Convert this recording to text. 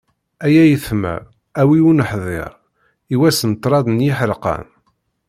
Ay ayetma a wi ur neḥdir, i wass n ṭṭrad n yiḥerqan.